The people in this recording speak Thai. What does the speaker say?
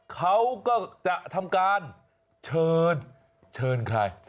เขาก็จะทำการเชิญเชิญใคร